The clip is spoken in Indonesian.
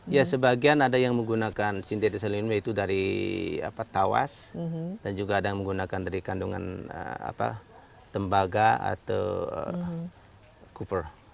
ya sebagian ada yang menggunakan sintetis yaitu dari tawas dan juga ada yang menggunakan dari kandungan tembaga atau kuper